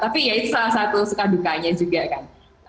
tapi ya itu salah satu suka dukanya juga kan